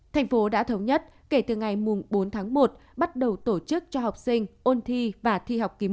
thành phố đã thống nhất kể từ ngày bốn tháng một bắt đầu tổ chức cho học sinh ôn thi và thi học kỳ một